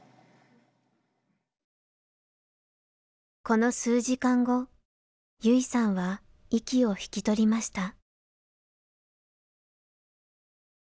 この数時間後優生さんは息を引き取りました。